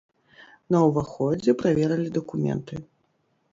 На ўваходзе праверылі дакументы.